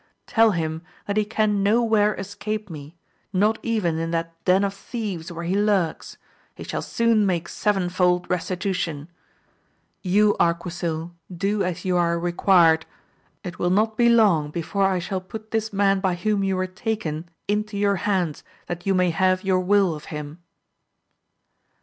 Tell him that he can no where escape me, not even in that den of thieves where he lurks ; he shall soon make seven fold restitution 1 You, Arquisil, do as you are required ; it will not be long before I shall put this man by whom you were taken into your hands, that you may have your will of him.